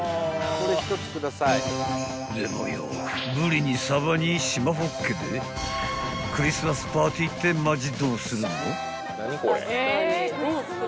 ［でもよぶりにさばに縞ホッケでクリスマスパーティーってマジどうするの？］